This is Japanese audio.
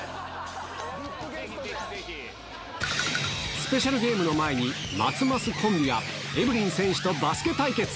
スペシャルゲームの前に、松増コンビが、エブリン選手とバスケ対決。